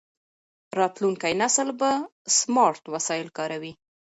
راتلونکی نسل به سمارټ وسایل کاروي.